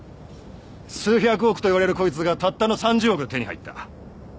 数百億といわれるこいつがたったの３０億で手に入った。